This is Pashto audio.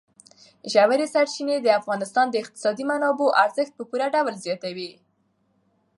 ژورې سرچینې د افغانستان د اقتصادي منابعو ارزښت په پوره ډول زیاتوي.